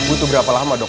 butuh berapa lama dok